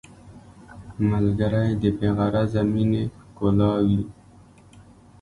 ملګری د بې غرضه مینې ښکلا وي